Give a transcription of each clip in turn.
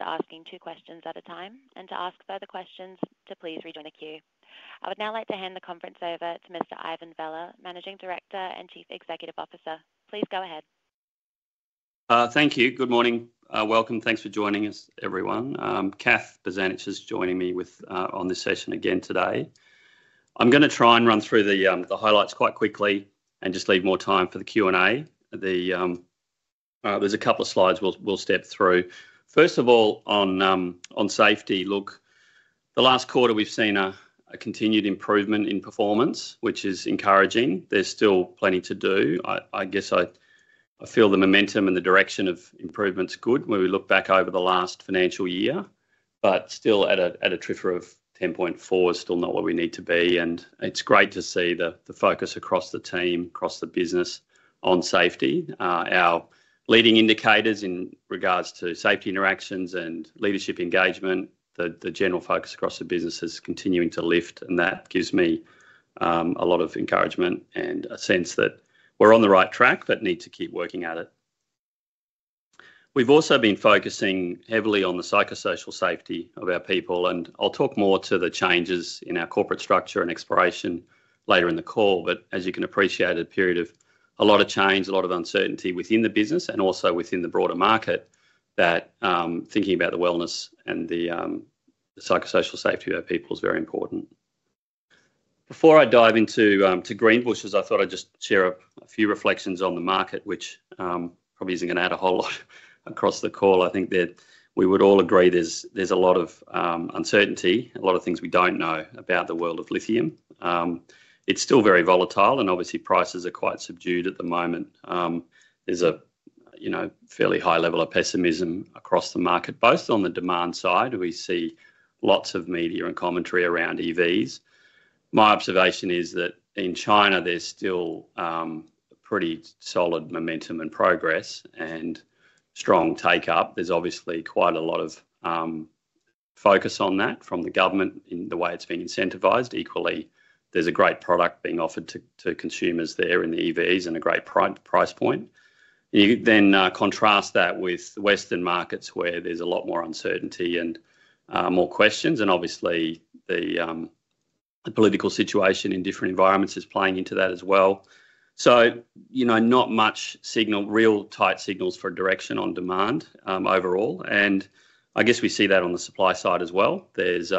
Asking two questions at a time, and to ask further questions, to please rejoin the queue. I would now like to hand the conference over to Mr. Ivan Vella, Managing Director and Chief Executive Officer. Please go ahead. Thank you. Good morning. Welcome. Thanks for joining us, everyone. Kath Bozanic is joining me with, on this session again today. I'm gonna try and run through the, the highlights quite quickly and just leave more time for the Q&A. There's a couple of slides we'll, we'll step through. First of all, on, on safety. Look, the last quarter, we've seen a continued improvement in performance, which is encouraging. There's still plenty to do. I guess I feel the momentum and the direction of improvement's good when we look back over the last financial year, but still at a TRIR of 10.4 is still not where we need to be, and it's great to see the focus across the team, across the business on safety. Our leading indicators in regards to safety interactions and leadership engagement, the general focus across the business is continuing to lift, and that gives me a lot of encouragement and a sense that we're on the right track, but need to keep working at it. We've also been focusing heavily on the psychosocial safety of our people, and I'll talk more to the changes in our corporate structure and exploration later in the call. But as you can appreciate, a period of a lot of change, a lot of uncertainty within the business and also within the broader market, that thinking about the wellness and the psychosocial safety of our people is very important. Before I dive into to Greenbushes, I thought I'd just share a few reflections on the market, which probably isn't gonna add a whole lot across the call. I think that we would all agree there's a lot of uncertainty, a lot of things we don't know about the world of lithium. It's still very volatile, and obviously prices are quite subdued at the moment. There's a you know, fairly high level of pessimism across the market. Both on the demand side, we see lots of media and commentary around EVs. My observation is that in China, there's still pretty solid momentum and progress and strong take-up. There's obviously quite a lot of focus on that from the government in the way it's been incentivized. Equally, there's a great product being offered to consumers there in the EVs and a great price point. You then contrast that with the Western markets, where there's a lot more uncertainty and more questions, and obviously, the political situation in different environments is playing into that as well. So, you know, not much signal, real tight signals for direction on demand, overall, and I guess we see that on the supply side as well. There's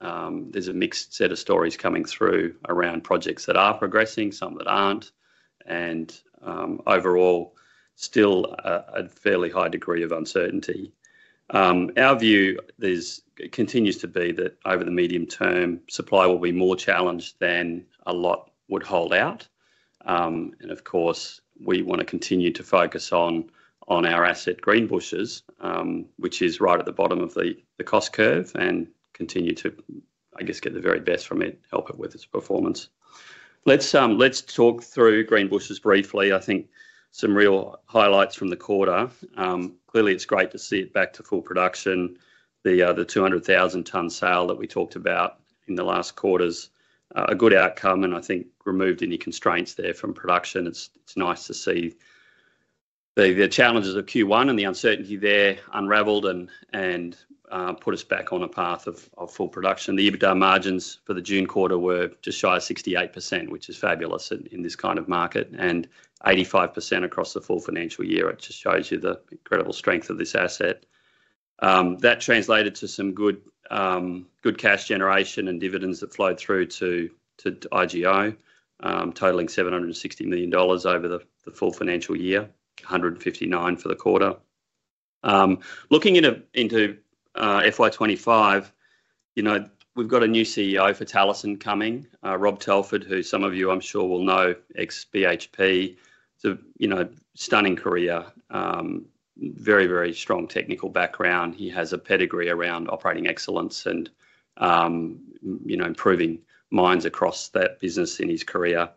a mixed set of stories coming through around projects that are progressing, some that aren't, and overall, still a fairly high degree of uncertainty. Our view continues to be that over the medium term, supply will be more challenged than a lot would hold out. And of course, we wanna continue to focus on our asset, Greenbushes, which is right at the bottom of the cost curve, and continue to, I guess, get the very best from it, help it with its performance. Let's talk through Greenbushes briefly. I think some real highlights from the quarter. Clearly, it's great to see it back to full production. The 200,000 tonnes sale that we talked about in the last quarter's a good outcome, and I think removed any constraints there from production. It's nice to see the challenges of Q1 and the uncertainty there unraveled and put us back on a path of full production. The EBITDA margins for the June quarter were just shy of 68%, which is fabulous in this kind of market, and 85% across the full financial year. It just shows you the incredible strength of this asset. That translated to some good cash generation and dividends that flowed through to IGO, totaling 760 million dollars over the full financial year, 159 million for the quarter. Looking into FY 2025, you know, we've got a new CEO for Talison coming, Rob Telford, who some of you, I'm sure, will know, ex-BHP. So, you know, stunning career. Very, very strong technical background. He has a pedigree around operating excellence and, you know, improving mines across that business in his career.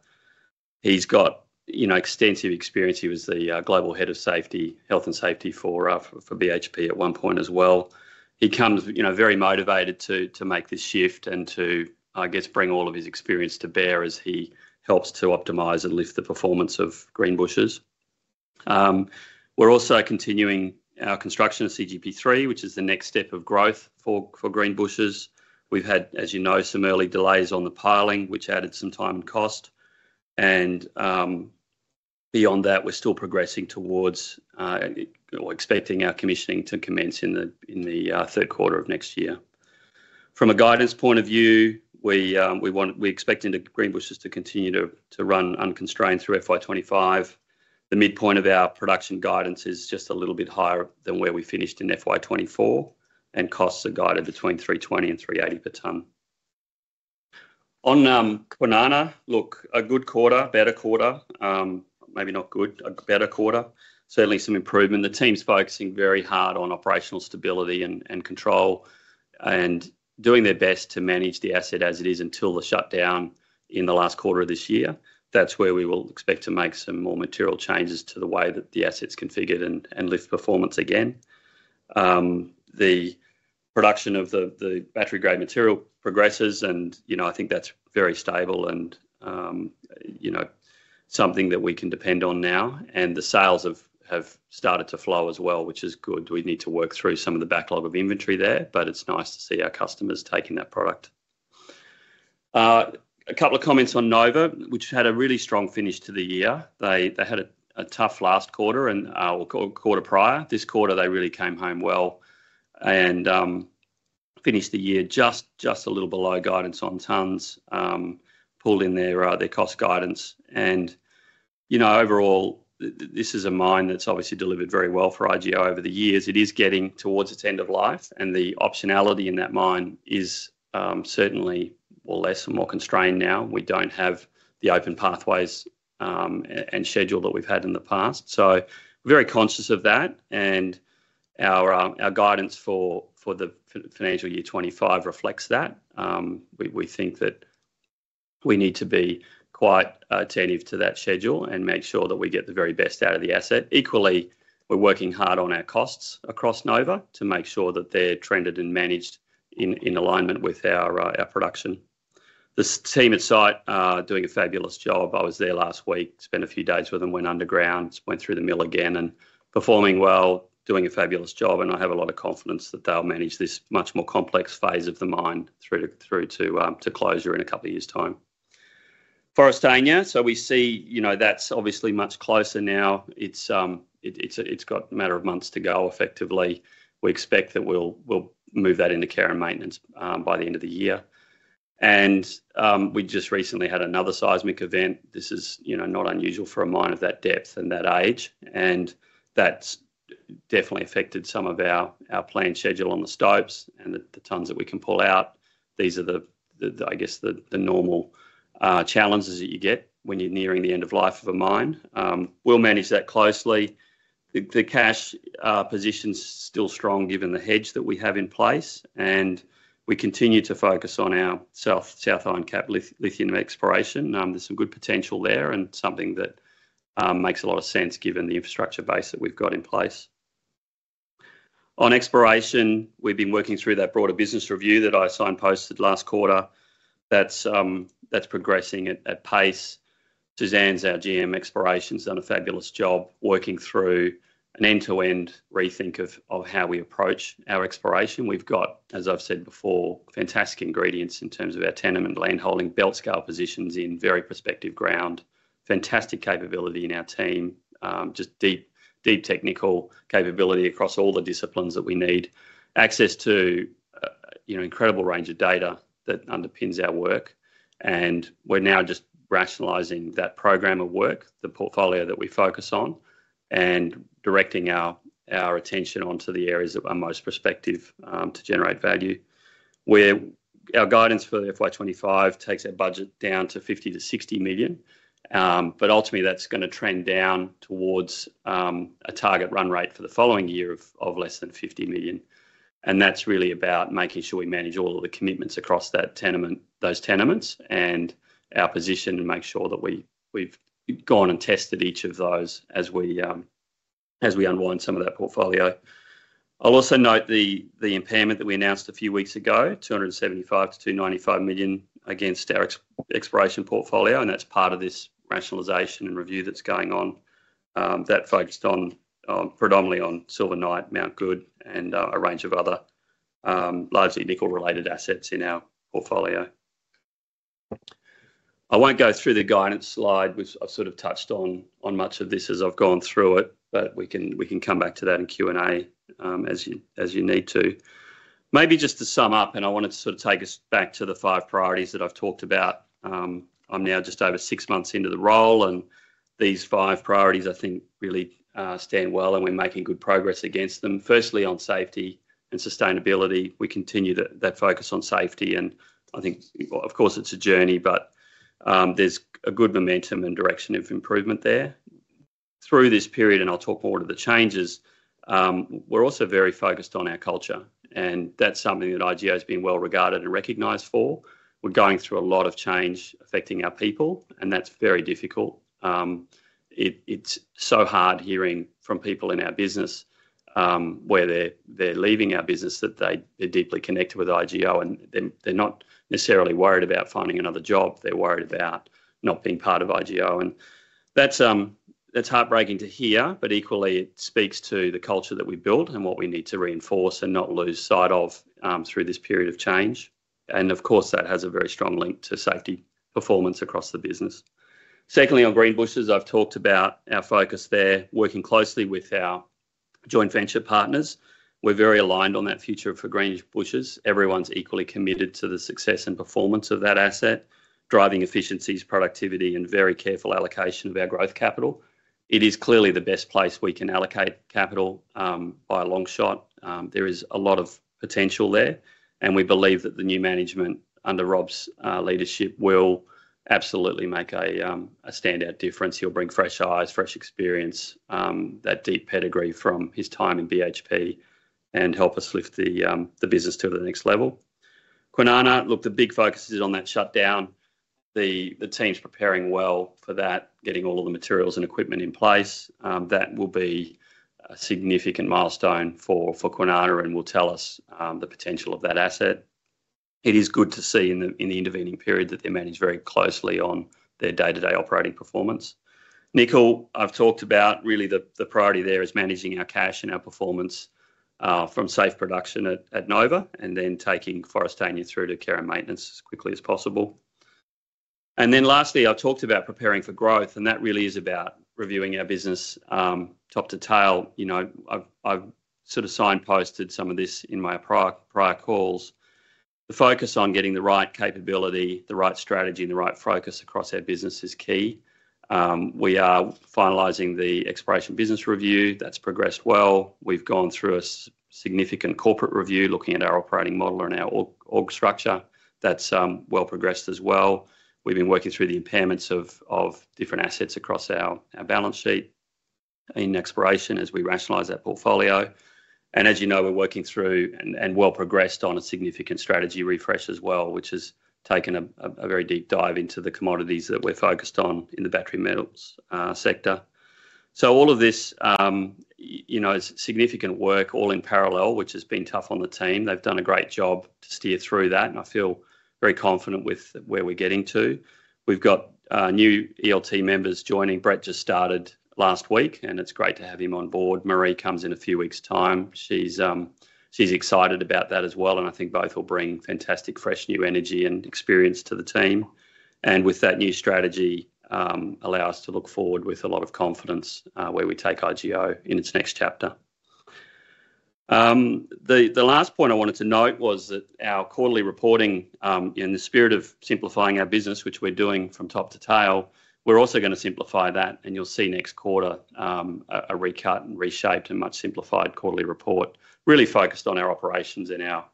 He's got, you know, extensive experience. He was the global head of safety, health and safety for BHP at one point as well. He comes, you know, very motivated to make this shift and to, I guess, bring all of his experience to bear as he helps to optimize and lift the performance of Greenbushes. We're also continuing our construction of CGP3, which is the next step of growth for Greenbushes. We've had, as you know, some early delays on the piling, which added some time and cost, and beyond that, we're still progressing towards or expecting our commissioning to commence in the third quarter of next year. From a guidance point of view, we're expecting the Greenbushes to continue to run unconstrained through FY 2025. The midpoint of our production guidance is just a little bit higher than where we finished in FY 2024, and costs are guided between 320 to 380 per tonne. On Kwinana, look, a good quarter, better quarter. Maybe not good, a better quarter. Certainly some improvement. The team's focusing very hard on operational stability and control and doing their best to manage the asset as it is until the shutdown in the last quarter of this year. That's where we will expect to make some more material changes to the way that the asset's configured and lift performance again. The production of the battery grade material progresses and, you know, I think that's very stable and, you know, something that we can depend on now. And the sales have started to flow as well, which is good. We need to work through some of the backlog of inventory there, but it's nice to see our customers taking that product. A couple of comments on Nova, which had a really strong finish to the year. They had a tough last quarter or quarter prior. This quarter they really came home well and finished the year just a little below guidance on tonnes, pulled in their cost guidance. And, you know, overall, this is a mine that's obviously delivered very well for IGO over the years. It is getting towards its end of life, and the optionality in that mine is certainly, well, less and more constrained now. We don't have the open pathways and schedule that we've had in the past. So very conscious of that, and our guidance for the financial year 25 reflects that. We think that we need to be quite attentive to that schedule and make sure that we get the very best out of the asset. Equally, we're working hard on our costs across Nova to make sure that they're trended and managed in alignment with our production. This team at site are doing a fabulous job. I was there last week, spent a few days with them, went underground, went through the mill again, and performing well, doing a fabulous job. And I have a lot of confidence that they'll manage this much more complex phase of the mine through to closure in a couple of years time. Forrestania, so we see, you know, that's obviously much closer now. It's got a matter of months to go. Effectively, we expect that we'll move that into care and maintenance by the end of the year. And we just recently had another seismic event. This is, you know, not unusual for a mine of that depth and that age, and that's definitely affected some of our planned schedule on the stopes and the tonnes that we can pull out. These are the, I guess the normal challenges that you get when you're nearing the end of life of a mine. We'll manage that closely. The cash position's still strong given the hedge that we have in place, and we continue to focus on our South Ironcap lithium exploration. There's some good potential there and something that makes a lot of sense given the infrastructure base that we've got in place. On exploration, we've been working through that broader business review that I signposted last quarter. That's progressing at pace. Suzanne, our GM Exploration, has done a fabulous job working through an end-to-end rethink of how we approach our exploration. We've got, as I've said before, fantastic ingredients in terms of our tenement land holding, belt scale positions in very prospective ground, fantastic capability in our team. Just deep, deep technical capability across all the disciplines that we need. Access to, you know, incredible range of data that underpins our work, and we're now just rationalizing that program of work, the portfolio that we focus on, and directing our, our attention onto the areas that are most prospective, to generate value. Where our guidance for the FY 2025 takes that budget down to 50-60 million. But ultimately, that's gonna trend down towards, a target run rate for the following year of, of less than 50 million. And that's really about making sure we manage all of the commitments across that tenement, those tenements and our position, and make sure that we've gone and tested each of those as we, as we unwind some of that portfolio. I'll also note the impairment that we announced a few weeks ago, 275 million-295 million, against our exploration portfolio, and that's part of this rationalization and review that's going on. That focused predominantly on Silver Knight, Mount Goode, and a range of other largely nickel-related assets in our portfolio. I won't go through the guidance slide, which I've sort of touched on much of this as I've gone through it, but we can come back to that in Q&A, as you need to. Maybe just to sum up, and I wanted to sort of take us back to the five priorities that I've talked about. I'm now just over six months into the role, and these five priorities, I think, really stand well, and we're making good progress against them. Firstly, on safety and sustainability, we continue that focus on safety, and I think, of course, it's a journey, but there's a good momentum and direction of improvement there. Through this period, and I'll talk more to the changes, we're also very focused on our culture, and that's something that IGO has been well regarded and recognized for. We're going through a lot of change affecting our people, and that's very difficult. It's so hard hearing from people in our business, where they're leaving our business, that they're deeply connected with IGO, and they're not necessarily worried about finding another job, they're worried about not being part of IGO. And that's, that's heartbreaking to hear, but equally, it speaks to the culture that we've built and what we need to reinforce and not lose sight of, through this period of change. And of course, that has a very strong link to safety performance across the business. Secondly, on Greenbushes, I've talked about our focus there, working closely with our joint venture partners. We're very aligned on that future for Greenbushes. Everyone's equally committed to the success and performance of that asset, driving efficiencies, productivity, and very careful allocation of our growth capital. It is clearly the best place we can allocate capital, by a long shot. There is a lot of potential there, and we believe that the new management under Rob's leadership will absolutely make a standout difference. He'll bring fresh eyes, fresh experience, that deep pedigree from his time in BHP, and help us lift the business to the next level. Kwinana, look, the big focus is on that shutdown. The team's preparing well for that, getting all of the materials and equipment in place. That will be a significant milestone for Kwinana and will tell us the potential of that asset. It is good to see in the intervening period that they're managed very closely on their day-to-day operating performance. Nickel, I've talked about really the priority there is managing our cash and our performance from safe production at Nova, and then taking Forrestania through to care and maintenance as quickly as possible. And then lastly, I talked about preparing for growth, and that really is about reviewing our business top to tail. You know, I've sort of signposted some of this in my prior calls. The focus on getting the right capability, the right strategy, and the right focus across our business is key. We are finalizing the exploration business review. That's progressed well. We've gone through a significant corporate review, looking at our operating model and our org structure. That's well progressed as well. We've been working through the impairments of different assets across our balance sheet in exploration as we rationalize our portfolio. And as you know, we're working through and well progressed on a significant strategy refresh as well, which has taken a very deep dive into the commodities that we're focused on in the battery metals sector. So all of this, you know, is significant work all in parallel, which has been tough on the team. They've done a great job to steer through that, and I feel very confident with where we're getting to. We've got new ELT members joining. Brett just started last week, and it's great to have him on board. Marie comes in a few weeks' time. She's, she's excited about that as well, and I think both will bring fantastic, fresh, new energy and experience to the team. And with that new strategy, allow us to look forward with a lot of confidence, where we take IGO in its next chapter. The last point I wanted to note was that our quarterly reporting, in the spirit of simplifying our business, which we're doing from top to tail, we're also gonna simplify that, and you'll see next quarter, a recut and reshaped and much simplified quarterly report, really focused on our operations and our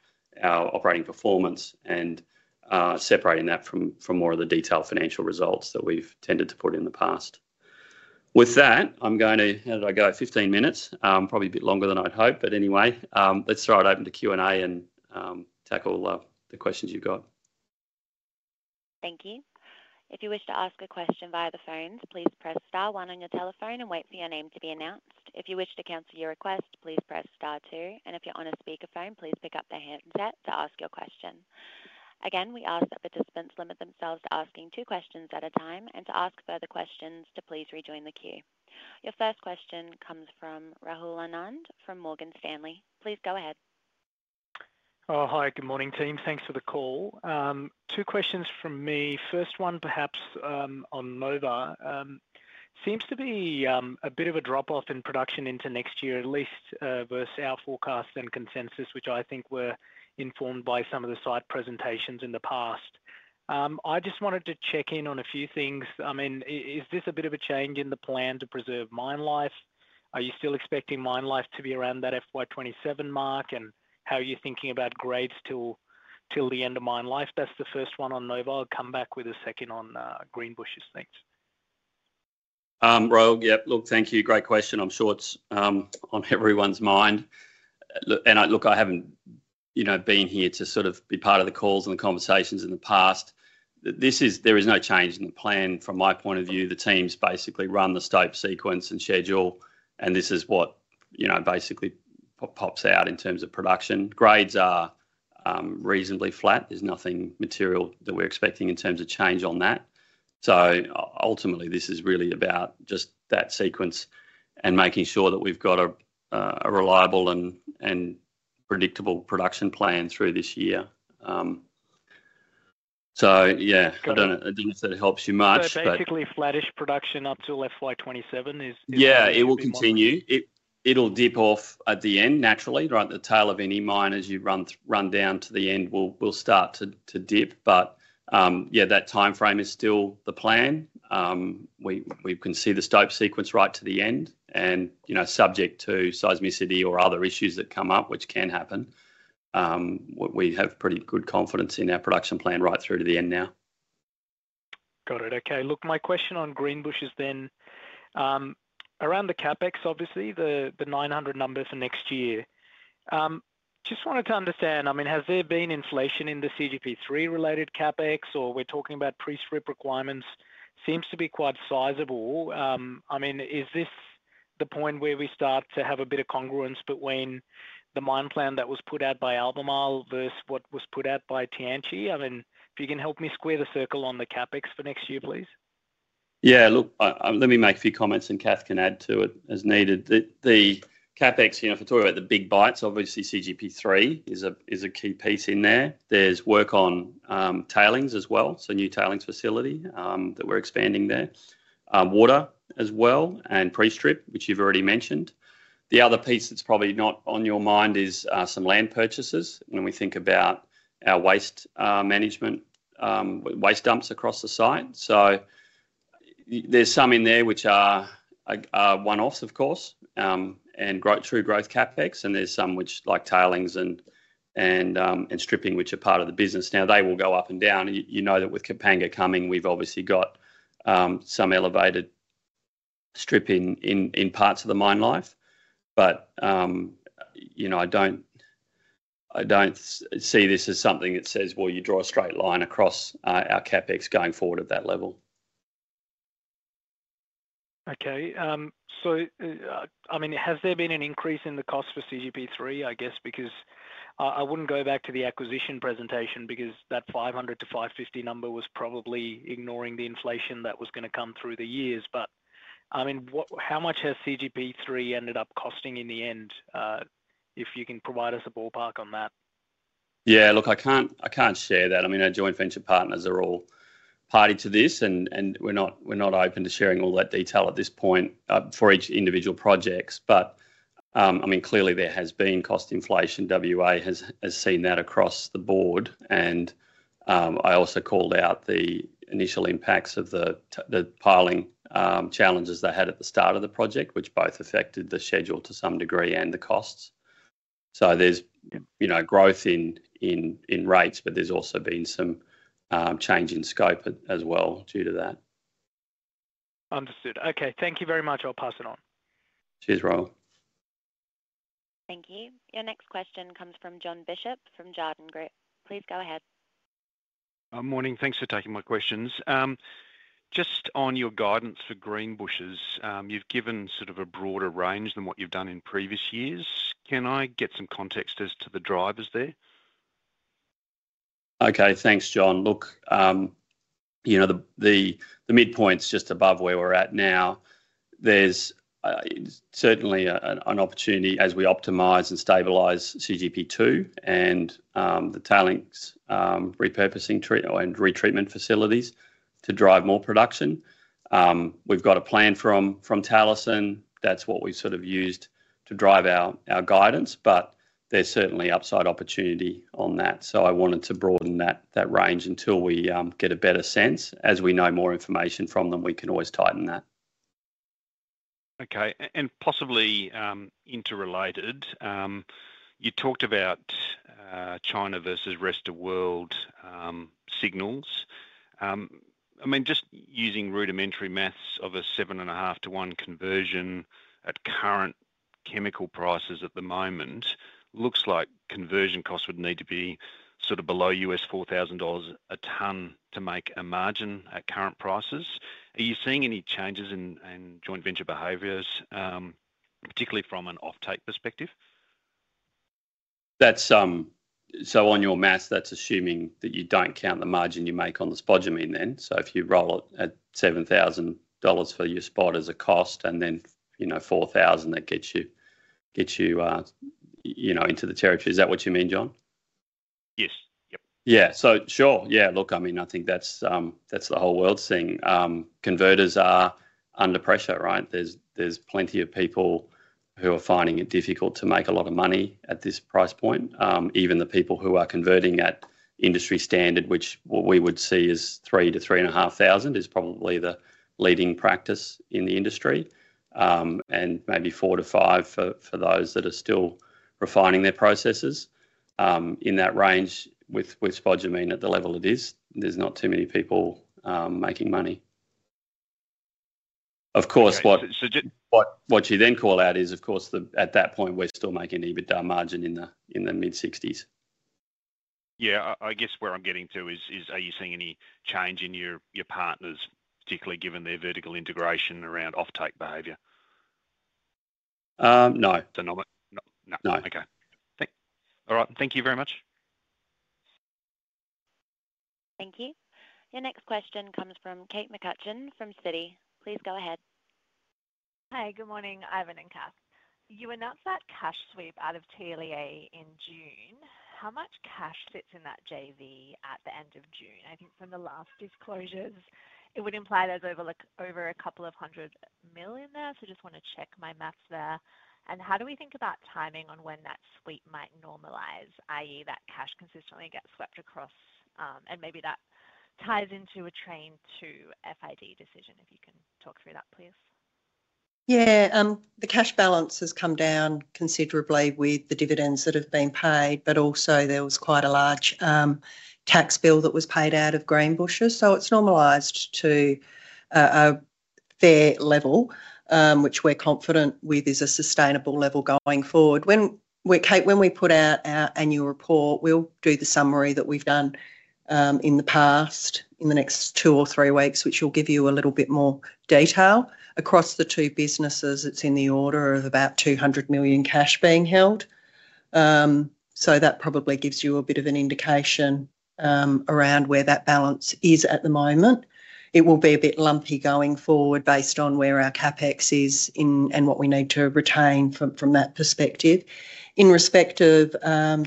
operating performance and, separating that from more of the detailed financial results that we've tended to put in the past. With that, I'm going to... How did I go? 15 minutes. Probably a bit longer than I'd hoped, but anyway, let's throw it open to Q&A and tackle the questions you've got. Thank you. If you wish to ask a question via the phone, please press star one on your telephone and wait for your name to be announced. If you wish to cancel your request, please press star two, and if you're on a speakerphone, please pick up the handset to ask your question. Again, we ask that participants limit themselves to asking two questions at a time, and to ask further questions, to please rejoin the queue. Your first question comes from Rahul Anand from Morgan Stanley. Please go ahead. Oh, hi. Good morning, team. Thanks for the call. Two questions from me. First one, perhaps, on Nova. Seems to be a bit of a drop-off in production into next year, at least, versus our forecast and consensus, which I think were informed by some of the site presentations in the past. I just wanted to check in on a few things. I mean, is this a bit of a change in the plan to preserve mine life? Are you still expecting mine life to be around that FY27 mark, and how are you thinking about grades till the end of mine life? That's the first one on Nova. I'll come back with a second on Greenbushes. Thanks. Rahul, yep, look, thank you. Great question. I'm sure it's on everyone's mind. Look, I haven't, you know, been here to sort of be part of the calls and the conversations in the past. This is. There is no change in the plan from my point of view. The teams basically run the stope sequence and schedule, and this is what, you know, basically pops out in terms of production. Grades are reasonably flat. There's nothing material that we're expecting in terms of change on that. So ultimately, this is really about just that sequence and making sure that we've got a reliable and predictable production plan through this year. So yeah, I don't know. Got it. I don't know if that helps you much, but- Basically, flattish production up till FY 2027 is Yeah, it will continue. It'll dip off at the end, naturally, right? The tail of any mine, as you run down to the end, will start to dip. But, yeah, that timeframe is still the plan. We can see the stope sequence right to the end and, you know, subject to seismicity or other issues that come up, which can happen, we have pretty good confidence in our production plan right through to the end now. Got it. Okay. Look, my question on Greenbushes then, around the CapEx, obviously, the 900 number for next year. Just wanted to understand, I mean, has there been inflation in the CGP3 related CapEx, or we're talking about pre-strip requirements? Seems to be quite sizable. I mean, is this the point where we start to have a bit of congruence between the mine plan that was put out by Albemarle versus what was put out by Tianqi? I mean, if you can help me square the circle on the CapEx for next year, please. Yeah, look, I... Let me make a few comments, and Kath can add to it as needed. The CapEx, you know, if we're talking about the big bites, obviously, CGP3 is a key piece in there. There's work on tailings as well, so new tailings facility that we're expanding there. Water as well, and pre-strip, which you've already mentioned. The other piece that's probably not on your mind is some land purchases, when we think about our waste management, waste dumps across the site. So there's some in there which are one-offs, of course, and growth, through-growth CapEx, and there's some which, like tailings and stripping, which are part of the business. Now, they will go up and down. You know that with Kapanga coming, we've obviously got some elevated stripping in parts of the mine life, but you know, I don't see this as something that says, well, you draw a straight line across our CapEx going forward at that level. Okay, so, I mean, has there been an increase in the cost for CGP3? I guess because I wouldn't go back to the acquisition presentation because that 500-550 number was probably ignoring the inflation that was gonna come through the years. But, I mean, how much has CGP3 ended up costing in the end? If you can provide us a ballpark on that. Yeah, look, I can't share that. I mean, our joint venture partners are all party to this, and we're not open to sharing all that detail at this point for each individual projects. But I mean, clearly there has been cost inflation. WA has seen that across the board, and I also called out the initial impacts of the piling challenges they had at the start of the project, which both affected the schedule to some degree and the costs. So there's, you know, growth in rates, but there's also been some change in scope as well due to that. Understood. Okay, thank you very much. I'll pass it on. Cheers, Rohan. Thank you. Your next question comes from Jon Bishop from Jarden Group. Please go ahead. Morning. Thanks for taking my questions. Just on your guidance for Greenbushes, you've given sort of a broader range than what you've done in previous years. Can I get some context as to the drivers there? Okay. Thanks, Jon. Look, you know, the midpoint's just above where we're at now. There's certainly an opportunity as we optimize and stabilize CGP2 and the tailings repurposing treatment and retreatment facilities to drive more production. We've got a plan from Talison. That's what we sort of used to drive our guidance, but there's certainly upside opportunity on that. So I wanted to broaden that range until we get a better sense. As we know more information from them, we can always tighten that. Okay, and possibly interrelated, you talked about China versus rest of world signals. I mean, just using rudimentary math of a 7.5-to-1 conversion at current chemical prices at the moment, looks like conversion costs would need to be sort of below $4,000 a ton to make a margin at current prices. Are you seeing any changes in joint venture behaviors, particularly from an offtake perspective? That's so on your math, that's assuming that you don't count the margin you make on the spodumene then. So if you roll it at $7,000 for your spot as a cost and then, you know, $4,000, that gets you, you know, into the territory. Is that what you mean, Jon? Yes. Yep. Yeah. So sure, yeah, look, I mean, I think that's, that's the whole world seeing, converters are under pressure, right? There's, there's plenty of people who are finding it difficult to make a lot of money at this price point. Even the people who are converting at industry standard, which what we would see is 3,000 to 3.500, is probably the leading practice in the industry, and maybe 4,000 to 5,000 for, for those that are still refining their processes. In that range with, with spodumene at the level it is, there's not too many people, making money. Of course, what- So just- What you then call out is, of course, at that point, we're still making EBITDA margin in the mid-60s. Yeah. I guess where I'm getting to is, are you seeing any change in your partners, particularly given their vertical integration around offtake behavior? Um, no. Not yet. No. No. Okay. All right, thank you very much. Thank you. Your next question comes from Kate McCutcheon from Citi. Please go ahead. Hi, good morning, Ivan and Kath. You announced that cash sweep out of TLEA in June. How much cash sits in that JV at the end of June? I think from the last disclosures, it would imply there's over, like, over 200 million in there, so just want to check my math there. And how do we think about timing on when that sweep might normalize, i.e., that cash consistently gets swept across? And maybe that ties into a Train 2 FID decision. If you can talk through that, please. Yeah, the cash balance has come down considerably with the dividends that have been paid, but also there was quite a large tax bill that was paid out of Greenbushes. So it's normalized to a fair level, which we're confident with is a sustainable level going forward. When Kate, when we put out our annual report, we'll do the summary that we've done in the past, in the next two or three weeks, which will give you a little bit more detail. Across the two businesses, it's in the order of about 200 million cash being held. So that probably gives you a bit of an indication around where that balance is at the moment. It will be a bit lumpy going forward based on where our CapEx is in, and what we need to retain from that perspective. In respect of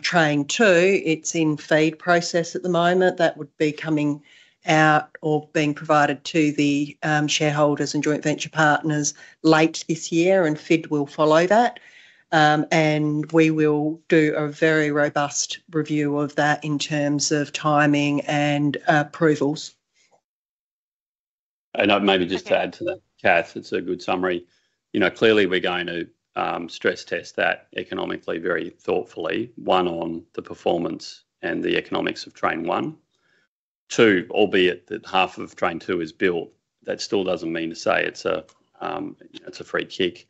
Train 2, it's in FID process at the moment. That would be coming out or being provided to the shareholders and joint venture partners late this year, and FID will follow that. And we will do a very robust review of that in terms of timing and approvals. Maybe just to add to that, Kath, it's a good summary. You know, clearly we're going to stress test that economically, very thoughtfully, one, on the performance and the economics of Train 1. Two, albeit that half of Train 2 is built, that still doesn't mean to say it's a free kick.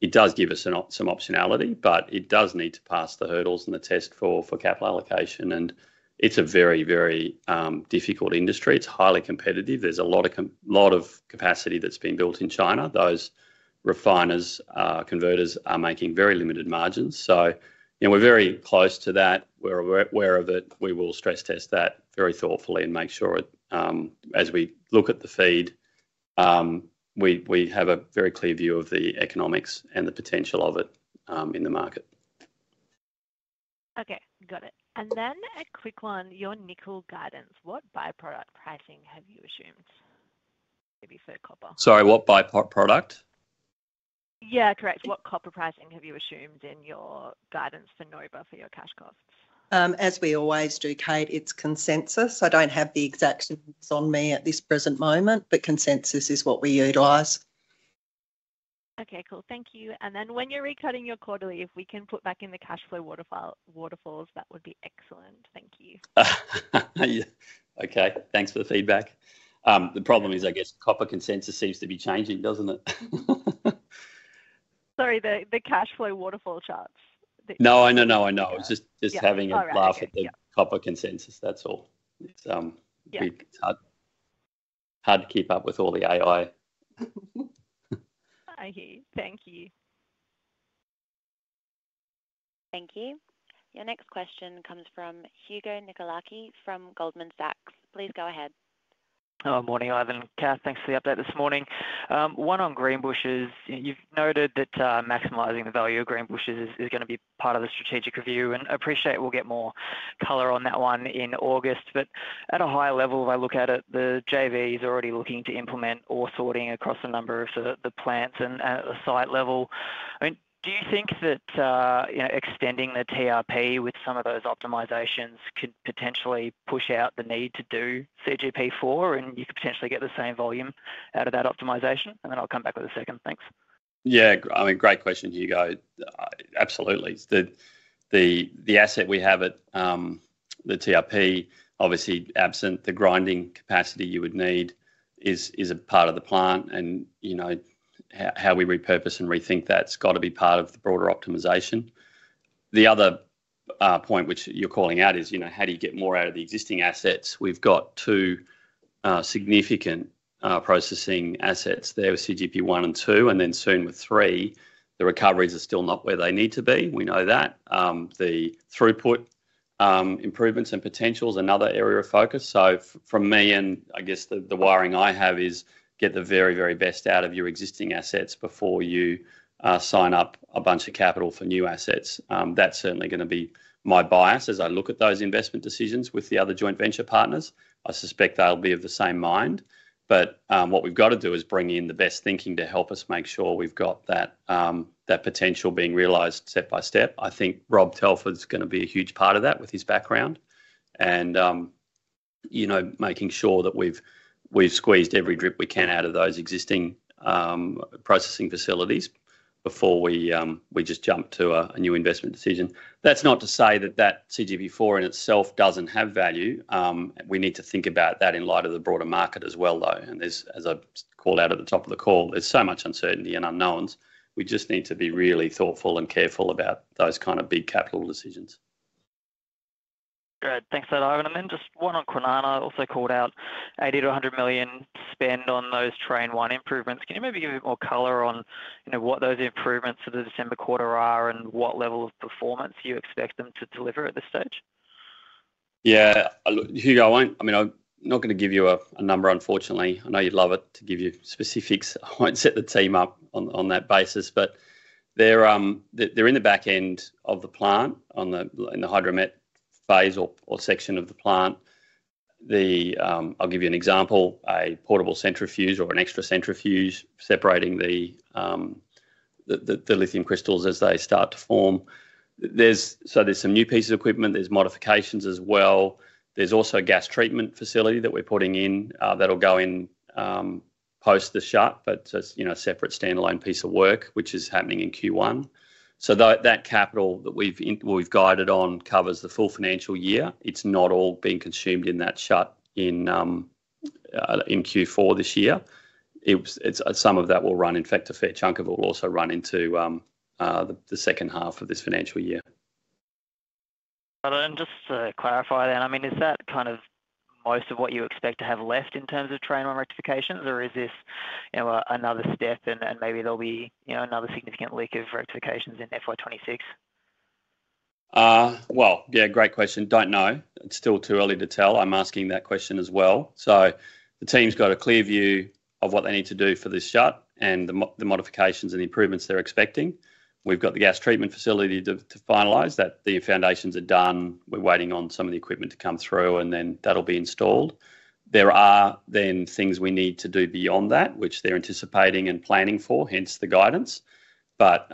It does give us some optionality, but it does need to pass the hurdles and the test for capital allocation, and it's a very, very difficult industry. It's highly competitive. There's a lot of capacity that's been built in China. Those refiners, converters are making very limited margins. So, you know, we're very close to that. We're aware of it. We will stress test that very thoughtfully and make sure it, as we look at the feed, we have a very clear view of the economics and the potential of it, in the market. Okay, got it. And then a quick one, your nickel guidance, what by-product pricing have you assumed? Maybe for copper. Sorry, what by-product? Yeah, correct. What copper pricing have you assumed in your guidance for Nova, for your cash costs? As we always do, Kate, it's consensus. I don't have the exact figures on me at this present moment, but consensus is what we utilize. Okay, cool. Thank you, and then when you're recutting your quarterly, if we can put back in the cash flow waterfalls, that would be excellent. Thank you. Okay, thanks for the feedback. The problem is, I guess, copper consensus seems to be changing, doesn't it? Sorry, the cash flow waterfall charts. No, I know, I know. Yeah. Just having- All right... a laugh at the copper consensus, that's all. Yeah. It's pretty hard to keep up with all the AI. I hear you. Thank you. Thank you. Your next question comes from Hugo Nicolaci from Goldman Sachs. Please go ahead. Oh, morning, Ivan and Kath. Thanks for the update this morning. One, on Greenbushes. You've noted that maximizing the value of Greenbushes is gonna be part of the strategic review, and appreciate we'll get more color on that one in August. But at a higher level, if I look at it, the JV is already looking to implement ore sorting across a number of sort of the plants and at site level. I mean, do you think that you know, extending the TRP with some of those optimizations could potentially push out the need to do CGP4, and you could potentially get the same volume out of that optimization? And then I'll come back with a second. Thanks. Yeah, I mean, great question, Hugo. Absolutely. The, the, the asset we have at the TRP, obviously, absent the grinding capacity you would need, is a part of the plant and, you know, how we repurpose and rethink that's got to be part of the broader optimization. The other point which you're calling out is, you know, how do you get more out of the existing assets? We've got two significant processing assets there with CGP 1 and 2, and then soon with 3. The recoveries are still not where they need to be, we know that. The throughput improvements and potential's another area of focus. So from me, and I guess the wiring I have is get the very, very best out of your existing assets before you sign up a bunch of capital for new assets. That's certainly gonna be my bias as I look at those investment decisions with the other joint venture partners. I suspect they'll be of the same mind, but what we've got to do is bring in the best thinking to help us make sure we've got that that potential being realized step by step. I think Rob Telford's gonna be a huge part of that with his background and, you know, making sure that we've squeezed every drip we can out of those existing processing facilities before we just jump to a new investment decision. That's not to say that that CGP4 in itself doesn't have value. We need to think about that in light of the broader market as well, though. As I've called out at the top of the call, there's so much uncertainty and unknowns. We just need to be really thoughtful and careful about those kind of big capital decisions. Great. Thanks a lot. Then just one on Kwinana, also called out 80 million-100 million spend on those Train 1 improvements. Can you maybe give a bit more color on, you know, what those improvements to the December quarter are and what level of performance you expect them to deliver at this stage? Yeah, look, Hugo, I won't... I mean, I'm not gonna give you a number, unfortunately. I know you'd love it, to give you specifics. I won't set the team up on that basis, but they're in the back end of the plant, in the hydromet phase or section of the plant. I'll give you an example, a portable centrifuge or an extra centrifuge separating the lithium crystals as they start to form. So there's some new pieces of equipment, there's modifications as well. There's also a gas treatment facility that we're putting in, that'll go in post the shut, but just, you know, a separate standalone piece of work, which is happening in Q1. So that capital that we've guided on covers the full financial year. It's not all being consumed in that shut in, in Q4 this year. Some of that will run, in fact, a fair chunk of it will also run into the second half of this financial year. And then just to clarify then, I mean, is that kind of most of what you expect to have left in terms of Train 1 rectifications, or is this, you know, another step and, and maybe there'll be, you know, another significant like of rectifications in FY 2026? Well, yeah, great question. Don't know. It's still too early to tell. I'm asking that question as well. So the team's got a clear view of what they need to do for this shut and the modifications and improvements they're expecting. We've got the gas treatment facility to finalize, that the foundations are done. We're waiting on some of the equipment to come through, and then that'll be installed. There are then things we need to do beyond that, which they're anticipating and planning for, hence the guidance. But,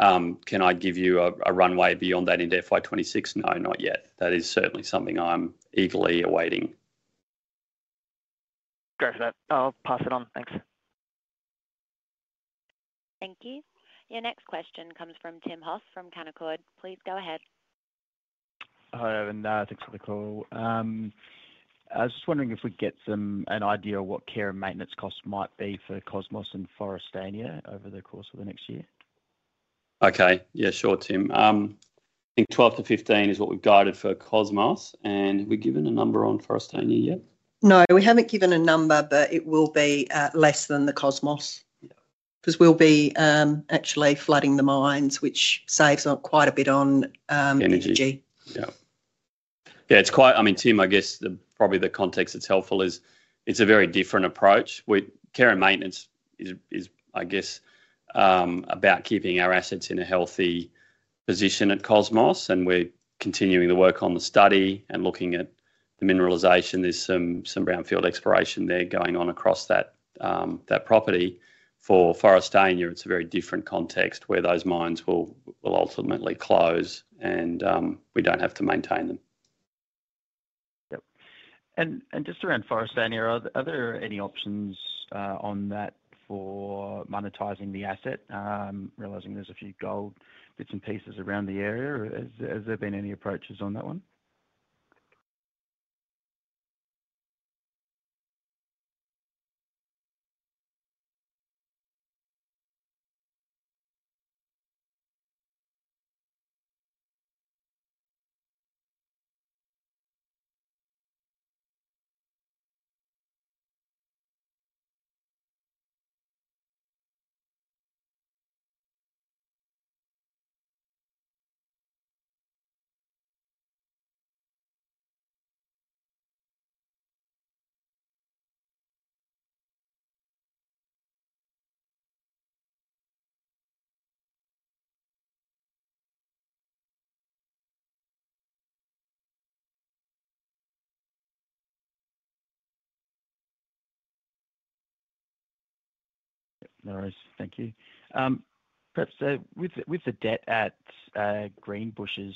can I give you a runway beyond that in FY 2026? No, not yet. That is certainly something I'm eagerly awaiting. Great for that. I'll pass it on. Thanks. Thank you. Your next question comes from Tim Hoff from Canaccord. Please go ahead. Hi, Ivan. Thanks for the call. I was just wondering if we'd get an idea of what care and maintenance costs might be for Cosmos and Forrestania over the course of the next year? Okay. Yeah, sure, Tim. I think 12 to 15 is what we've guided for Cosmos. And have we given a number on Forrestania yet? No, we haven't given a number, but it will be less than the Cosmos. Yeah. 'Cause we'll be actually flooding the mines, which saves on quite a bit on energy. Energy. Yeah. Yeah, it's quite... I mean, Tim, I guess probably the context that's helpful is it's a very different approach, with care and maintenance is I guess about keeping our assets in a healthy position at Cosmos, and we're continuing the work on the study and looking at the mineralization. There's some some brownfield exploration there going on across that that property. For Forrestania, it's a very different context where those mines will will ultimately close and we don't have to maintain them. Yep. And just around Forrestania, are there any options on that for monetizing the asset? Realizing there's a few gold bits and pieces around the area, has there been any approaches on that one? No worries. Thank you. Perhaps with the debt at Greenbushes,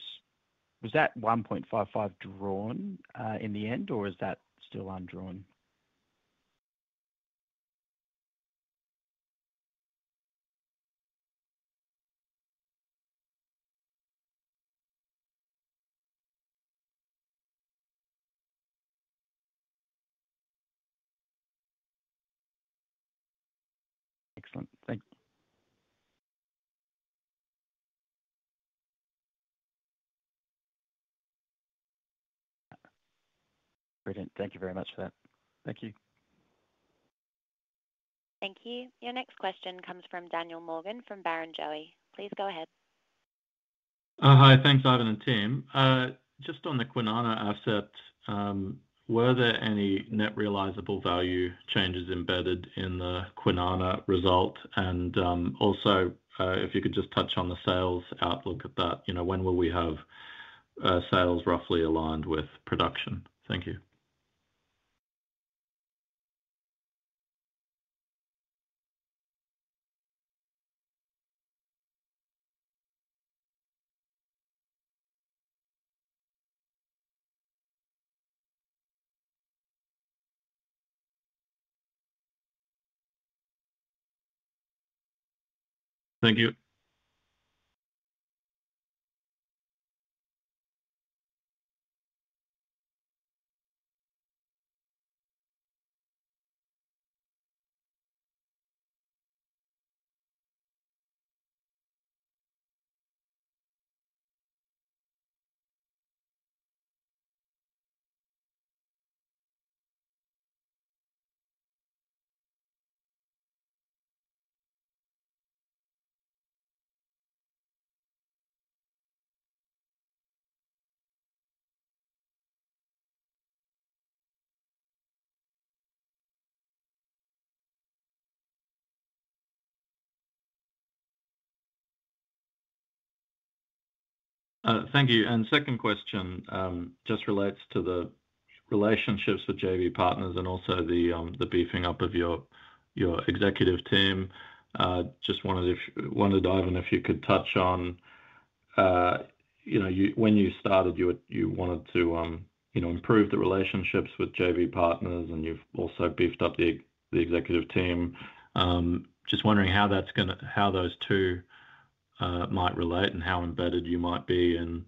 was that 1.55 drawn in the end, or is that still undrawn? Excellent. Thanks. Brilliant. Thank you very much for that. Thank you. Thank you. Your next question comes from Daniel Morgan, from Barrenjoey. Please go ahead. Hi. Thanks, Ivan and Tim. Just on the Kwinana asset, were there any net realizable value changes embedded in the Kwinana result? And, also, if you could just touch on the sales outlook at that, you know, when will we have, sales roughly aligned with production? Thank you. ...thank you. Thank you. And second question, just relates to the relationships with JV partners and also the, the beefing up of your, your executive team. Just wanted to... wondered, Ivan, if you could touch on, you know, you-- when you started, you, you wanted to, you know, improve the relationships with JV partners, and you've also beefed up the ex- the executive team. Just wondering how that's gonna—how those two might relate and how embedded you might be in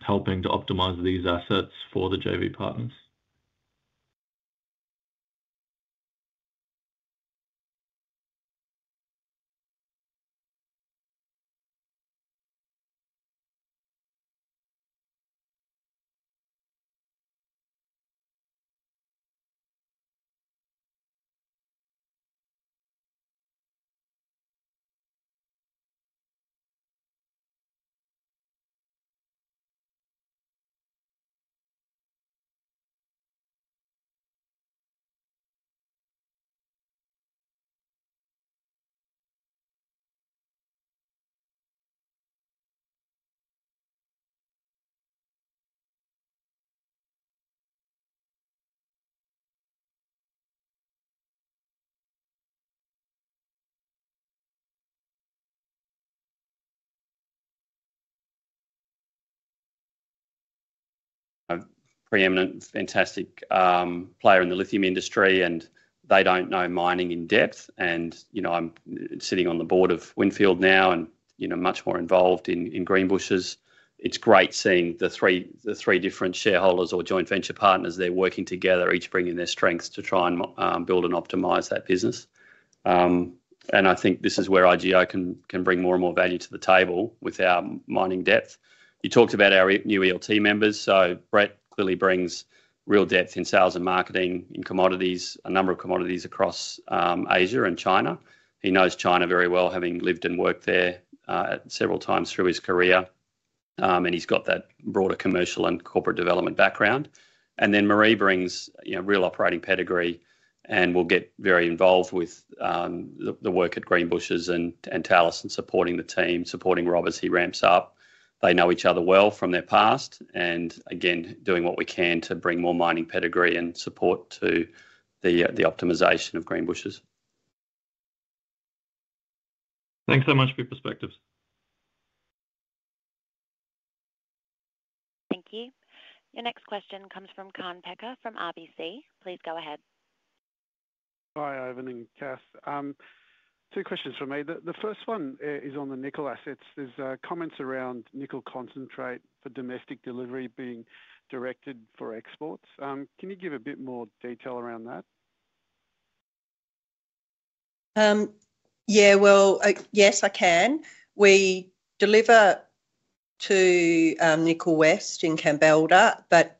helping to optimize these assets for the JV partners. ... A preeminent, fantastic player in the lithium industry, and they don't know mining in depth. You know, I'm sitting on the board of Winfield now, and you know, much more involved in Greenbushes. It's great seeing the three, the three different shareholders or joint venture partners there working together, each bringing their strengths to try and build and optimize that business. And I think this is where IGO can bring more and more value to the table with our mining depth. You talked about our new ELT members, so Brett clearly brings real depth in sales and marketing, in commodities, a number of commodities across Asia and China. He knows China very well, having lived and worked there several times through his career. And he's got that broader commercial and corporate development background. And then Marie brings, you know, real operating pedigree and will get very involved with the work at Greenbushes and Talison, supporting the team, supporting Rob as he ramps up. They know each other well from their past, and again, doing what we can to bring more mining pedigree and support to the optimization of Greenbushes. Thanks so much for your perspectives. Thank you. Your next question comes from Kaan Peker, from RBC. Please go ahead. Hi, Ivan and Kath. Two questions from me. The first one is on the nickel assets. There's comments around nickel concentrate for domestic delivery being directed for exports. Can you give a bit more detail around that? Yeah, well, yes, I can. We deliver to Nickel West in Kambalda, but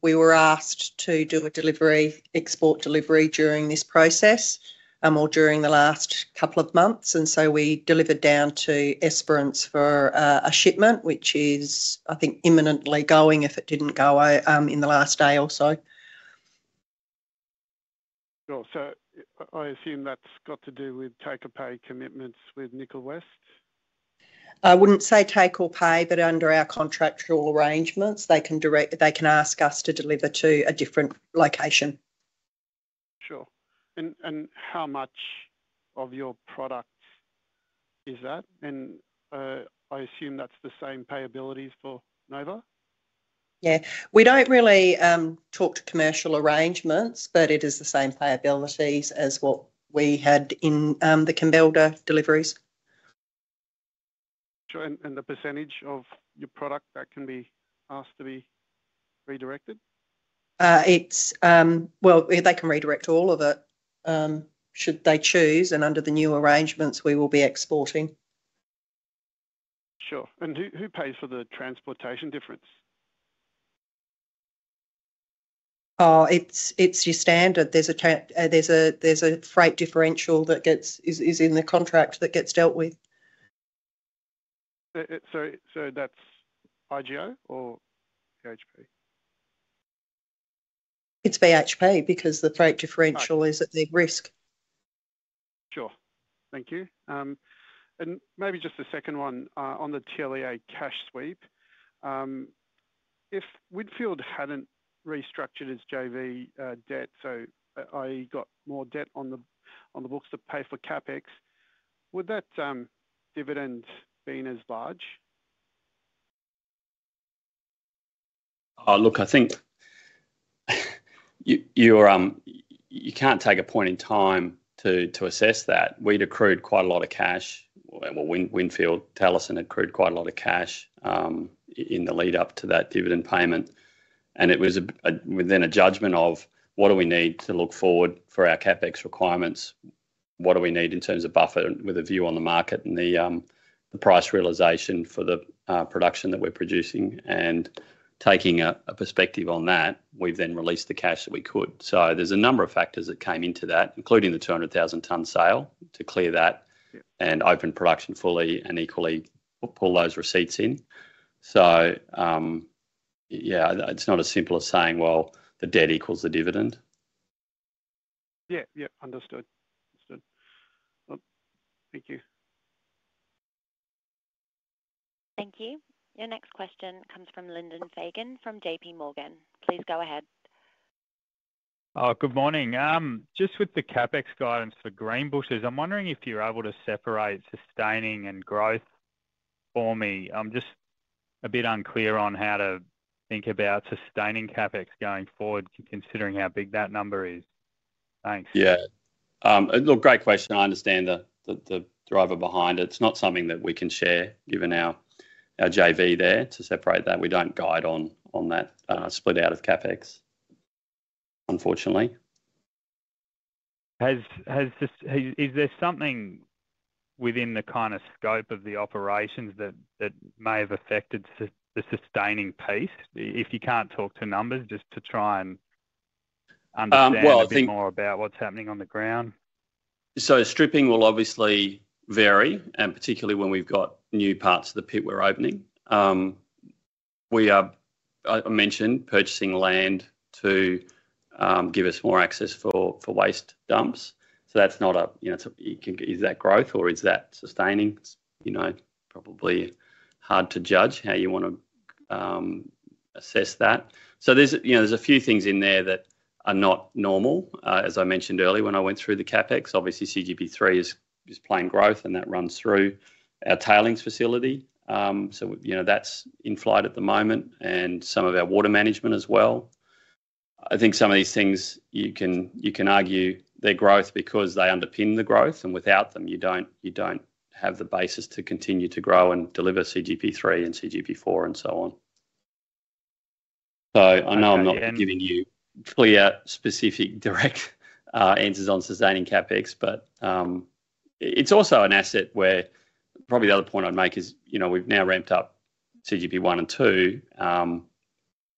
we were asked to do a delivery, export delivery during this process, or during the last couple of months, and so we delivered down to Esperance for a shipment, which is, I think, imminently going, if it didn't go away, in the last day or so. Sure. So I assume that's got to do with take or pay commitments with Nickel West? I wouldn't say take or pay, but under our contractual arrangements, they can ask us to deliver to a different location. Sure. And how much of your product is that? And I assume that's the same payabilities for Nova? Yeah. We don't really talk to commercial arrangements, but it is the same payables as what we had in the Kambalda deliveries. Sure, and the percentage of your product that can be asked to be redirected? Well, they can redirect all of it, should they choose, and under the new arrangements, we will be exporting. Sure. And who pays for the transportation difference? Oh, it's your standard. There's a freight differential that is in the contract that gets dealt with. So that's IGO or BHP? It's BHP, because the freight differential- Right... is at their risk. Sure. Thank you. And maybe just a second one on the TLA cash sweep. If Winfield hadn't restructured its JV debt, so i.e. got more debt on the books to pay for CapEx, would that dividend been as large? Oh, look, I think you can't take a point in time to assess that. We'd accrued quite a lot of cash. Well, Winfield Talison accrued quite a lot of cash in the lead up to that dividend payment, and it was a within a judgment of: what do we need to look forward for our CapEx requirements? What do we need in terms of buffer with a view on the market and the price realization for the production that we're producing? And taking a perspective on that, we then released the cash that we could. So there's a number of factors that came into that, including the 200,000 tonnes sale, to clear that and open production fully and equally pull those receipts in. So, yeah, it's not as simple as saying, "Well, the debt equals the dividend. Yeah, yeah. Understood. Understood. Well, thank you. Thank you. Your next question comes from Lyndon Fagan, from JP Morgan. Please go ahead. Oh, good morning. Just with the CapEx guidance for Greenbushes, I'm wondering if you're able to separate sustaining and growth for me. I'm just a bit unclear on how to think about sustaining CapEx going forward, considering how big that number is. Thanks. Yeah. Look, great question. I understand the driver behind it. It's not something that we can share, given our JV there, to separate that. We don't guide on that split out of CapEx, unfortunately. Has the... is there something within the kind of scope of the operations that may have affected the sustaining piece? If you can't talk to numbers, just to try and understand- Well, I think-... a bit more about what's happening on the ground. So stripping will obviously vary, and particularly when we've got new parts of the pit we're opening. We are, I mentioned purchasing land to give us more access for waste dumps. So that's not a, you know, so you can... Is that growth or is that sustaining? It's, you know, probably hard to judge how you want to assess that. So there's, you know, there's a few things in there that are not normal. As I mentioned earlier, when I went through the CapEx, obviously CGP3 is playing growth, and that runs through our tailings facility. So, you know, that's in flight at the moment and some of our water management as well. I think some of these things you can, you can argue they're growth because they underpin the growth, and without them, you don't, you don't have the basis to continue to grow and deliver CGP3 and CGP4, and so on. So I know I'm not giving you clear, specific, direct answers on sustaining CapEx, but it's also an asset where, probably the other point I'd make is, you know, we've now ramped up CGP1 and 2.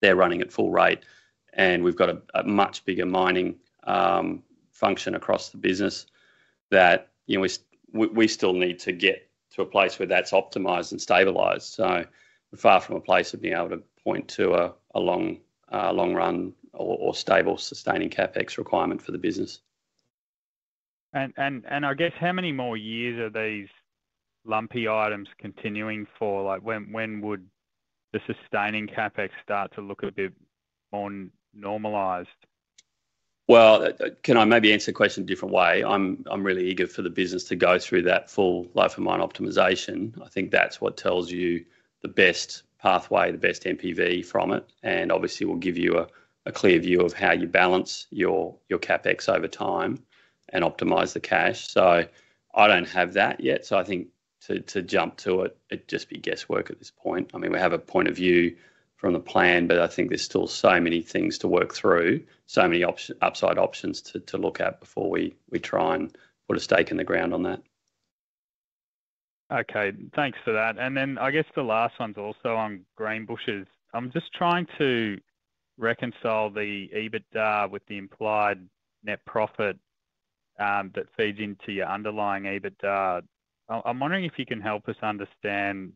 They're running at full rate, and we've got a much bigger mining function across the business that, you know, we still need to get to a place where that's optimized and stabilized. So we're far from a place of being able to point to a long run or stable sustaining CapEx requirement for the business. I guess how many more years are these lumpy items continuing for? Like, when would the sustaining CapEx start to look a bit more normalized? Well, can I maybe answer the question a different way? I'm really eager for the business to go through that full life and mine optimization. I think that's what tells you the best pathway, the best NPV from it, and obviously will give you a clear view of how you balance your CapEx over time and optimize the cash. So I don't have that yet, so I think to jump to it, it'd just be guesswork at this point. I mean, we have a point of view from the plan, but I think there's still so many things to work through, so many upside options to look at before we try and put a stake in the ground on that. Okay, thanks for that. Then I guess the last one's also on Greenbushes. I'm just trying to reconcile the EBITDA with the implied net profit that feeds into your underlying EBITDA. I'm wondering if you can help us understand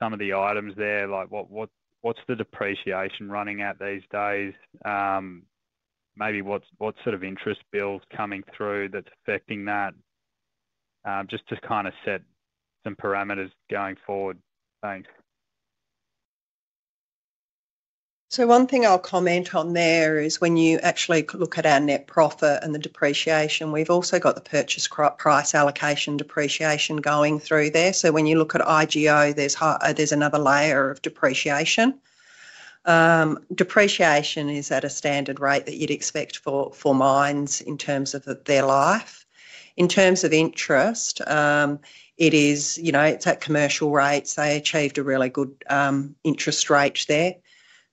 some of the items there. Like, what's the depreciation running at these days? Maybe what sort of interest bills coming through that's affecting that? Just to kind of set some parameters going forward. Thanks. So one thing I'll comment on there is when you actually look at our net profit and the depreciation, we've also got the purchase price allocation depreciation going through there. So when you look at IGO, there's another layer of depreciation. Depreciation is at a standard rate that you'd expect for, for mines in terms of their life. In terms of interest, it is, you know, it's at commercial rates. They achieved a really good interest rate there.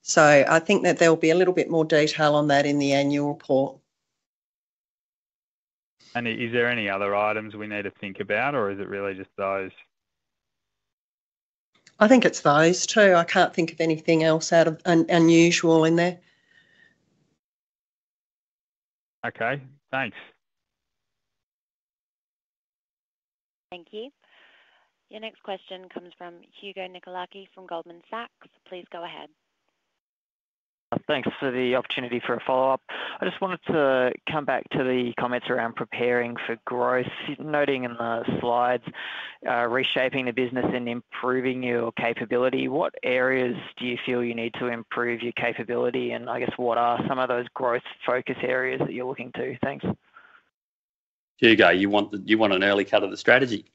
So I think that there'll be a little bit more detail on that in the annual report. Is there any other items we need to think about, or is it really just those? I think it's those two. I can't think of anything else out of unusual in there. Okay, thanks. Thank you. Your next question comes from Hugo Nicolaci from Goldman Sachs. Please go ahead. Thanks for the opportunity for a follow-up. I just wanted to come back to the comments around preparing for growth. Noting in the slides, reshaping the business and improving your capability, what areas do you feel you need to improve your capability? And I guess, what are some of those growth focus areas that you're looking to? Thanks. Hugo, you want an early cut of the strategy.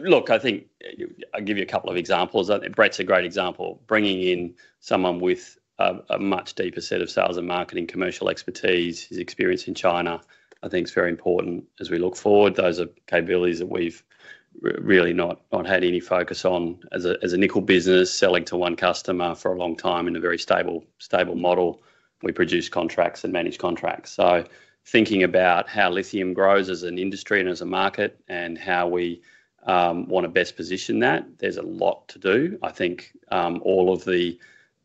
Look, I think. I'll give you a couple of examples. Brett's a great example. Bringing in someone with a much deeper set of sales and marketing commercial expertise. His experience in China I think is very important as we look forward. Those are capabilities that we've really not had any focus on as a nickel business, selling to one customer for a long time in a very stable model. We produce contracts and manage contracts. So thinking about how lithium grows as an industry and as a market, and how we want to best position that, there's a lot to do. I think all of the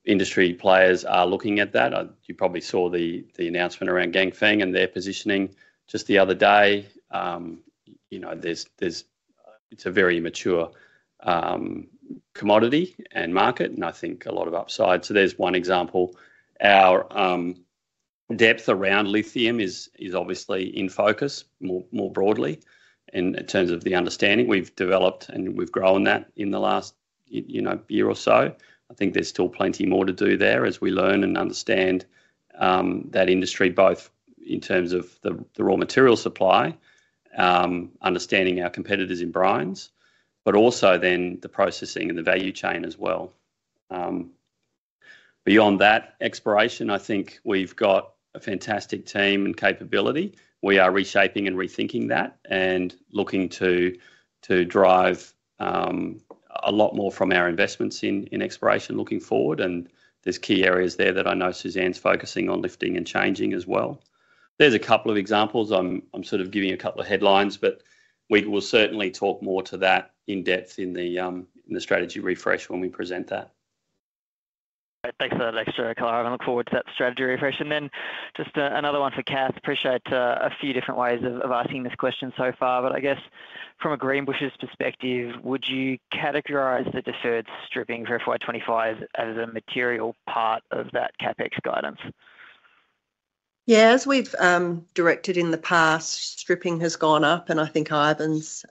industry players are looking at that. You probably saw the announcement around Ganfeng and their positioning just the other day. You know, there's it's a very mature commodity and market, and I think a lot of upside. So there's one example. Our depth around lithium is obviously in focus more broadly, in terms of the understanding. We've developed and we've grown that in the last, you know, year or so. I think there's still plenty more to do there as we learn and understand that industry, both in terms of the raw material supply, understanding our competitors in brines, but also then the processing and the value chain as well. Beyond that, exploration, I think we've got a fantastic team and capability. We are reshaping and rethinking that and looking to drive a lot more from our investments in exploration looking forward, and there's key areas there that I know Suzanne's focusing on lifting and changing as well. There's a couple of examples. I'm sort of giving you a couple of headlines, but we will certainly talk more to that in depth in the strategy refresh when we present that. Thanks a lot for that extra color. I look forward to that strategy refresh. And then just, another one for Kath. Appreciate, a few different ways of asking this question so far, but I guess from a Greenbushes perspective, would you categorize the deferred stripping for FY 2025 as a material part of that CapEx guidance?... Yeah, as we've directed in the past, stripping has gone up, and I think Ivan's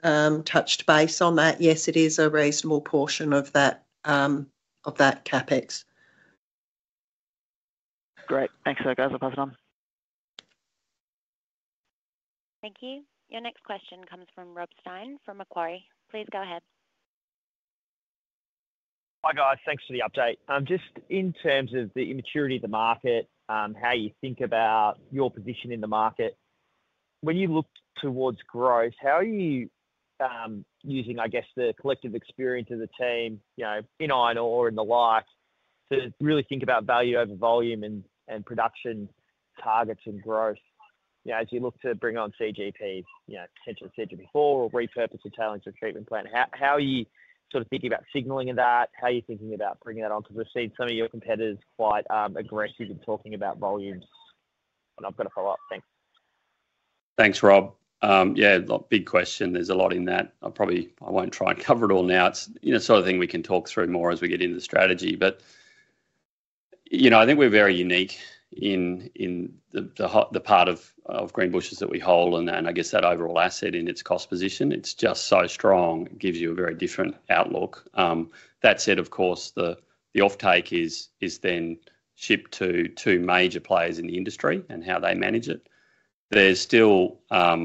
touched base on that. Yes, it is a reasonable portion of that, of that CapEx. Great. Thanks a lot, guys. I'll pass it on. Thank you. Your next question comes from Rob Stein from Macquarie. Please go ahead. Hi, guys. Thanks for the update. Just in terms of the immaturity of the market, how you think about your position in the market. When you look towards growth, how are you using, I guess, the collective experience of the team, you know, in iron ore in the like, to really think about value over volume and production targets and growth? You know, as you look to bring on CGPs, you know, potentially I said to you before, repurpose your tailings treatment plant. How are you sort of thinking about signaling in that? How are you thinking about bringing that on? Because we've seen some of your competitors quite aggressive in talking about volumes. And I've got a follow-up. Thanks. Thanks, Rob. Yeah, big question. There's a lot in that. I'll probably—I won't try and cover it all now. It's, you know, sort of thing we can talk through more as we get into the strategy. But, you know, I think we're very unique in the part of Greenbushes that we hold, and then, I guess, that overall asset in its cost position. It's just so strong, it gives you a very different outlook. That said, of course, the offtake is then shipped to two major players in the industry and how they manage it. There's still a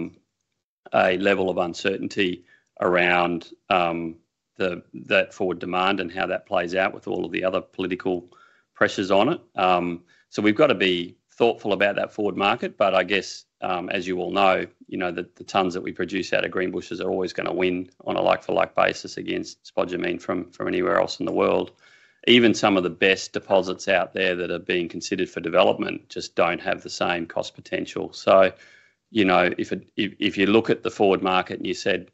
level of uncertainty around that forward demand and how that plays out with all of the other political pressures on it. So we've got to be thoughtful about that forward market, but I guess, as you all know, you know, the tons that we produce out of Greenbushes are always gonna win on a like for like basis against spodumene from anywhere else in the world. Even some of the best deposits out there that are being considered for development just don't have the same cost potential. So, you know, if you look at the forward market and you said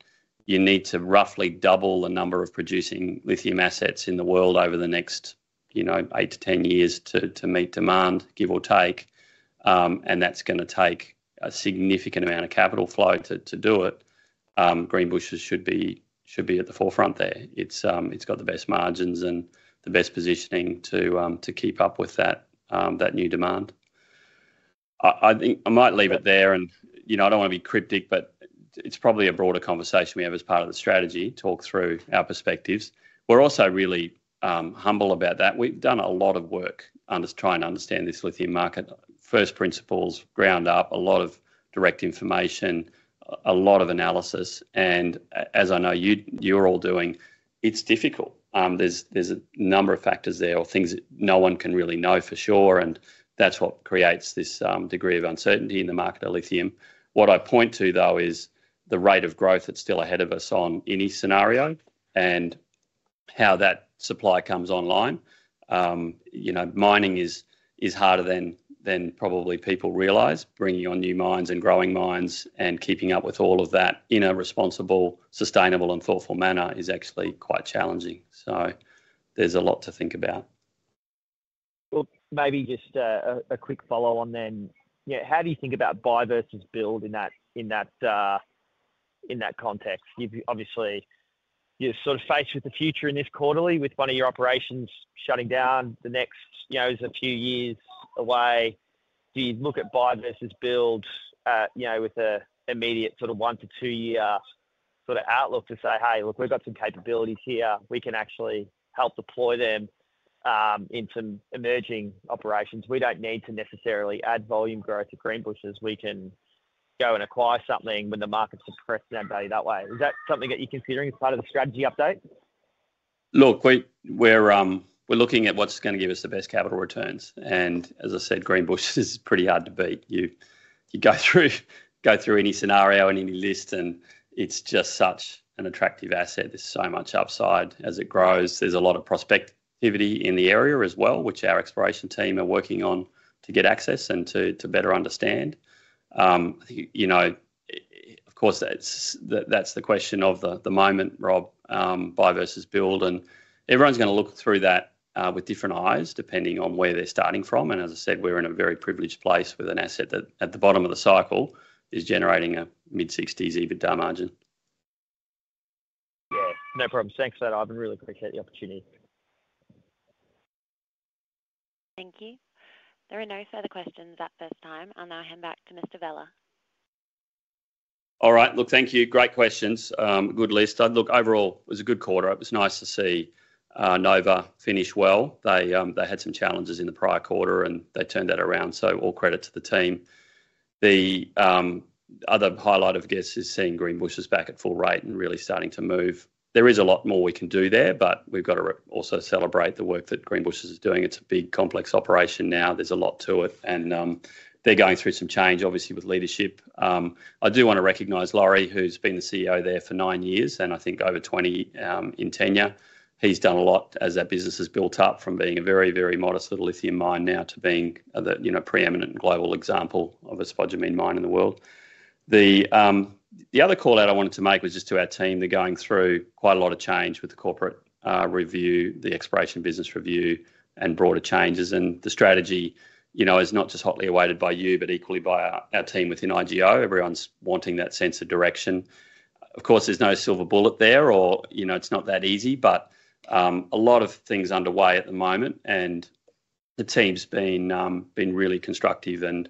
you need to roughly double the number of producing lithium assets in the world over the next, you know, eight to 10 years to meet demand, give or take, and that's gonna take a significant amount of capital flow to do it, Greenbushes should be at the forefront there. It's, it's got the best margins and the best positioning to, to keep up with that, that new demand. I, I think I might leave it there, and, you know, I don't want to be cryptic, but it's probably a broader conversation we have as part of the strategy, talk through our perspectives. We're also really, humble about that. We've done a lot of work under trying to understand this lithium market. First principles, ground up, a lot of direct information, a lot of analysis, and as I know, you, you're all doing, it's difficult. There's, there's a number of factors there or things that no one can really know for sure, and that's what creates this, degree of uncertainty in the market of lithium. What I point to, though, is the rate of growth that's still ahead of us on any scenario and how that supply comes online. You know, mining is harder than probably people realize. Bringing on new mines and growing mines and keeping up with all of that in a responsible, sustainable, and thoughtful manner is actually quite challenging. So there's a lot to think about. Well, maybe just a quick follow on then. Yeah, how do you think about buy versus build in that, in that, in that context? You've obviously, you're sort of faced with the future in this quarterly, with one of your operations shutting down the next, you know, is a few years away. Do you look at buy versus build, you know, with an immediate sort of one to two year sort of outlook to say, "Hey, look, we've got some capabilities here. We can actually help deploy them into emerging operations. We don't need to necessarily add volume growth to Greenbushes. We can go and acquire something when the market's suppressing that value that way." Is that something that you're considering as part of the strategy update? Look, we're looking at what's gonna give us the best capital returns, and as I said, Greenbushes is pretty hard to beat. You go through any scenario and any list, and it's just such an attractive asset. There's so much upside as it grows. There's a lot of prospectivity in the area as well, which our exploration team are working on to get access and to better understand. You know, of course, that's the question of the moment, Rob, buy versus build, and everyone's gonna look through that with different eyes, depending on where they're starting from. And as I said, we're in a very privileged place with an asset that at the bottom of the cycle is generating a mid-60s% EBITDA margin. Yeah, no problems. Thanks for that, Ivan. Really appreciate the opportunity. Thank you. There are no further questions at this time. I'll now hand back to Mr. Vella. All right. Look, thank you. Great questions. Good list. Look, overall, it was a good quarter. It was nice to see Nova finish well. They, they had some challenges in the prior quarter, and they turned that around, so all credit to the team. The other highlight, I guess, is seeing Greenbushes back at full rate and really starting to move. There is a lot more we can do there, but we've got to also celebrate the work that Greenbushes is doing. It's a big, complex operation now. There's a lot to it, and they're going through some change, obviously, with leadership. I do want to recognize Laurie, who's been the CEO there for nine years, and I think over 20 in tenure. He's done a lot as that business has built up from being a very, very modest little lithium mine now to being the, you know, preeminent global example of a spodumene mine in the world. The other call-out I wanted to make was just to our team. They're going through quite a lot of change with the corporate review, the exploration business review, and broader changes. And the strategy, you know, is not just hotly awaited by you, but equally by our team within IGO. Everyone's wanting that sense of direction. Of course, there's no silver bullet there or, you know, it's not that easy, but a lot of things underway at the moment, and the team's been really constructive and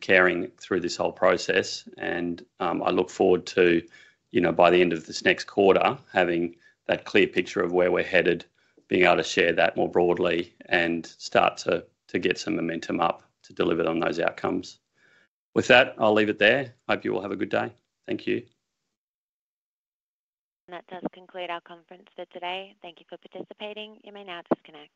caring through this whole process. I look forward to, you know, by the end of this next quarter, having that clear picture of where we're headed, being able to share that more broadly, and start to get some momentum up to deliver on those outcomes. With that, I'll leave it there. Hope you all have a good day. Thank you. That does conclude our conference for today. Thank you for participating. You may now disconnect.